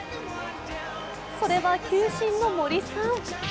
それは球審の森さん。